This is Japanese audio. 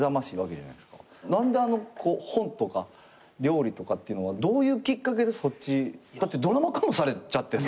何であの本とか料理とかっていうのはどういうきっかけでそっちだってドラマ化もされちゃってさ。